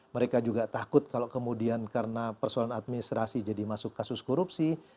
mereka juga takut kalau kemudian karena persoalan administrasi jadi masuk kasus korupsi